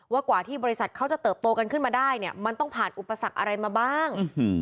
กว่าที่บริษัทเขาจะเติบโตกันขึ้นมาได้เนี่ยมันต้องผ่านอุปสรรคอะไรมาบ้าง